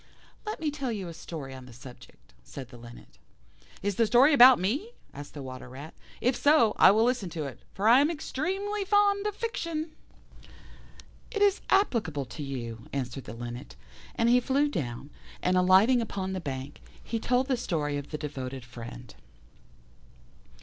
"Let me tell you a story on the subject," said the Linnet. "Is the story about me?" asked the Water rat. "If so, I will listen to it, for I am extremely fond of fiction." "It is applicable to you," answered the Linnet; and he flew down, and alighting upon the bank, he told the story of The Devoted Friend.